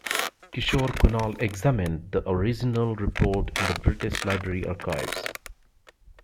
Kishore Kunal examined the original report in the British Library archives.